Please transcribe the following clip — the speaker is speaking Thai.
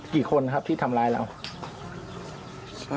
กี่คนครับที่ทำร้ายเรา